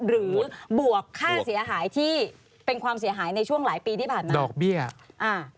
หรือบวกค่าเสียหายที่เป็นความเสียหายในช่วงหลายปีที่ผ่านมา